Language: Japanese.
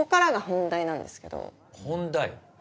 本題？